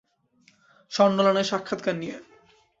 শন নোলানের সাক্ষাৎকার নিয়ে।